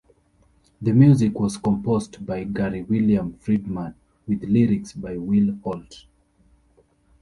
The music was composed by Gary William Friedman with lyrics by Will Holt.